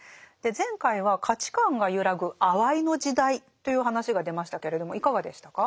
前回は価値観が揺らぐ「あわいの時代」という話が出ましたけれどもいかがでしたか？